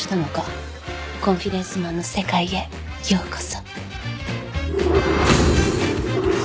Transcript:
コンフィデンスマンの世界へようこそ。